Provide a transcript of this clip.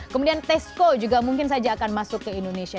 kemudian tesco juga mungkin saja akan masuk ke indonesia